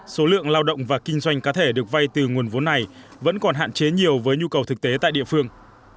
số lượng lao động và kinh doanh cá thể được vay từ nguồn vốn này vẫn còn hạn chế nhiều với nhu cầu thực tế tại địa phương